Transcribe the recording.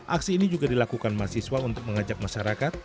aksi ini juga dilakukan mahasiswa untuk mengajak masyarakat